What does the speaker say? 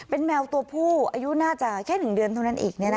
เป็นแมวตัวผู้อายุน่าจะแค่๑เดือนเท่านั้นอีก